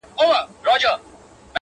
په مړاوو گوتو كي قوت ډېر سي ـ